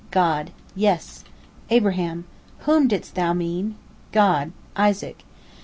God: "Yes." Abraham: "Whom didst Thou mean?" God: "Isaac."